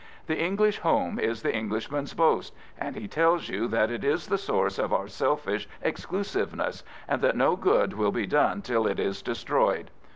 The English home is the English man's boast, and he tells you that it is the source of our selfish exclusiveness, and that no good will be done till it is destroyed.